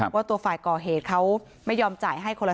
ว่าตัวไฟล์กอเหตุเขาไม่ยอมจ่ายให้คนละ๓๐๐๐๐